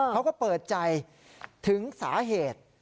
เขาก็เปิดใจถึงสาเหตุ